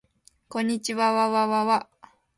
こんにちわわわわ